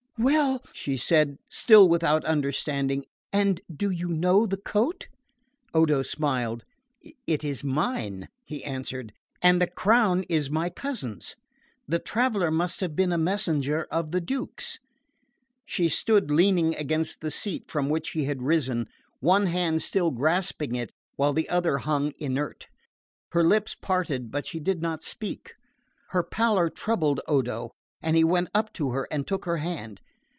"Well " she said, still without understanding; "and do you know the coat?" Odo smiled. "It is mine," he answered; "and the crown is my cousin's. The traveller must have been a messenger of the Duke's." She stood leaning against the seat from which she had risen, one hand still grasping it while the other hung inert. Her lips parted but she did not speak. Her pallor troubled Odo and he went up to her and took her hand.